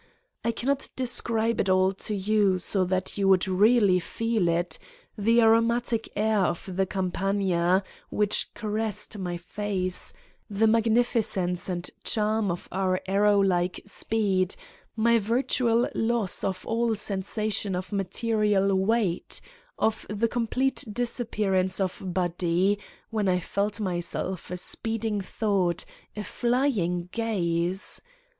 I cannot describe it all to you so that you would really feel it the aromatic air of the Campagna, which caressed my face, the magnificence and charm of our arrow like speed, my virtual loss of all sensation of ma 161 Satan's Diary terial weight, of the complete disappearance of loody, when I felt myself a speeding thought, a flying gaze.